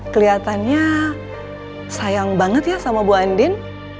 kelihatannya sayang banget ya sama bu andin